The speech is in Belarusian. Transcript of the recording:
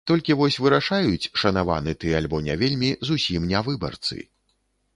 Толькі вось вырашаюць, шанаваны ты, альбо не вельмі, зусім не выбарцы.